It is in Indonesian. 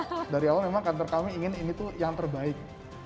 dari awal memang kantor kami ingin ini tuh yang terbaik